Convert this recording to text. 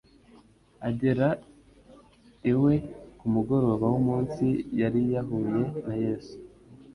agera iwe ku mugoroba w'umunsi yari yahuye na Yesu;